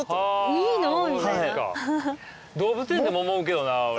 動物園でも思うけどな。